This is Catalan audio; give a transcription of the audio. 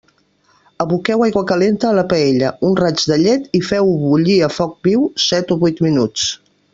Aboqueu aigua calenta a la paella, un raig de llet i feu-ho bullir a foc viu set o vuit minuts.